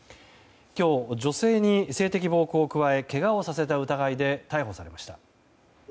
今日、女性に性的暴行を加えけがをさせた疑いで逮捕されました。